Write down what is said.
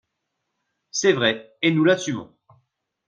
C’est vrai, et nous l’assumons